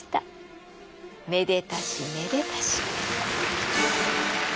めでたしめでたし。